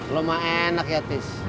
lo mah enak ya tis